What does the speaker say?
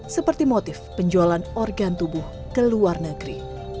seperti motif penjualan organ tubuh ke luar negeri